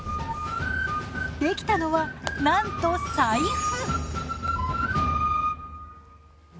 できたのはなんと財布！